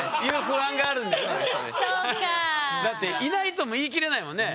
だっていないとも言い切れないもんね？